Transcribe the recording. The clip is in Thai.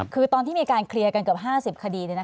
คือตอนที่มีการเคลียร์กันเกือบ๕๐คดี